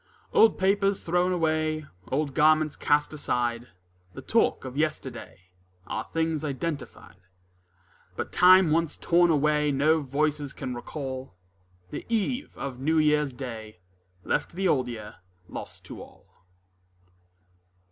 Old papers thrown away, Old garments cast aside, The talk of yesterday, Are things identified; But time once torn away No voices can recall: The eve of New Year's Day Left the Old Year lost to all.